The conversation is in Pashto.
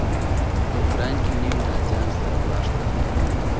په اوکراین کې نوي نازیان ستر ګواښ دی.